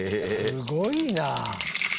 「すごいなあ！」